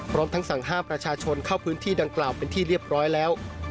พร้อมทั้งสั่งห้ามประชาชนเข้าพื้นที่ดังกล่าวเป็นที่เรียบร้อยแล้ว